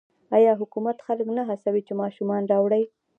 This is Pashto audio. آیا حکومت خلک نه هڅوي چې ماشومان راوړي؟